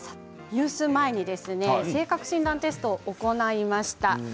ニュース前に性格診断テストを行いました。